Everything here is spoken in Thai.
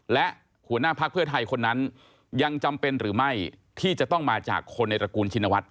และหัวหน้าพักเพื่อไทยคนนั้นยังจำเป็นหรือไม่ที่จะต้องมาจากคนในตระกูลชินวัฒ